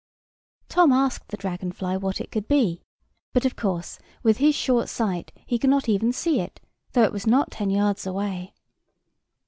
Tom asked the dragon fly what it could be: but, of course, with his short sight, he could not even see it, though it was not ten yards away.